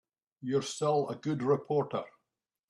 You're still a good reporter.